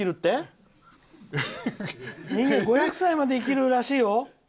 人間は５００歳まで生きるらしいよ。